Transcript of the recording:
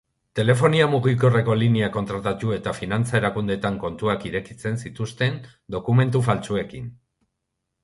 Telefonia mugikorreko lineak kontratatu eta finantza-erakundeetan kontuak irekitzen zituzten dokumentu faltsuekin.